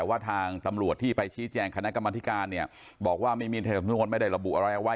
ว่าทางตำรวจที่ไปชี้แจงคณะกรรมธิการเนี่ยบอกว่าไม่มีสำนวนไม่ได้ระบุอะไรเอาไว้